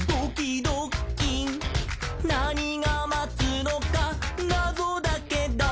「なにがまつのかなぞだけど」